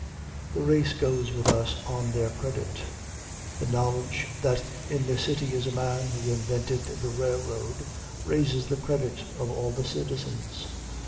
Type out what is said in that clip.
The race goes with us on their credit. The knowledge that in the city is a man who invented the railroad raises the credit of all the citizens.